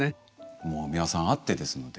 もう美輪さんあってですので。